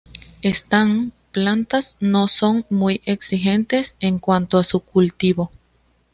Están plantas no son muy exigentes en cuanto a su cultivo.